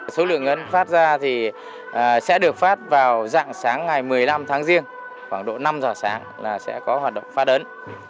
số lượng ngân phát ra sẽ được phát vào dạng sáng ngày một mươi năm tháng riêng khoảng độ năm giờ sáng là sẽ có hoạt động phát ấn